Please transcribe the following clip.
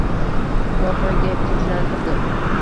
Qo`rqmang, deb tinchlantirdi